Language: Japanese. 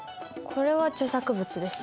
これは著作物です。